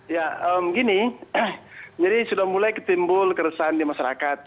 ya begini jadi sudah mulai ketimbul keresahan di masyarakat